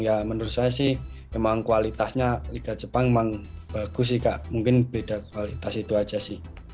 ya menurut saya sih memang kualitasnya liga jepang memang bagus sih kak mungkin beda kualitas itu aja sih